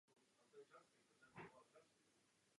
Svůj první zápas vyhrál v sedmnácti letech.